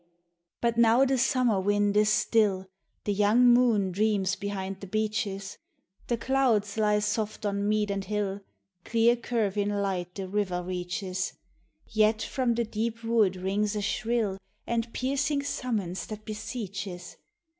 " But now the summer wind is still, The young moon dreams behind the beeches, The clouds lie soft on mead and hill, Clear curve in light the river reaches Yet from the deep wood rings a shrill And piercing summons that beseeches.